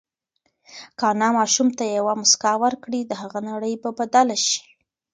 که انا ماشوم ته یوه مسکا ورکړي، د هغه نړۍ به بدله شي.